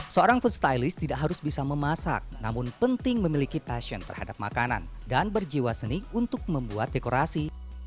seorang food stylist tidak harus bisa memasak namun penting memiliki passion terhadap makanan dan berjiwa seni untuk membuat dekorasi